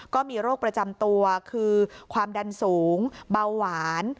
ก็มีโรคประจำตัวคือความดันสูงเบาหวาน